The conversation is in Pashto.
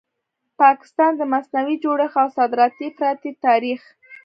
پاکستان؛ د مصنوعي جوړښت او صادراتي افراطیت تاریخ